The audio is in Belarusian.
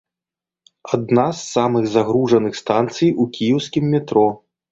Адна з самых загружаных станцый у кіеўскім метро.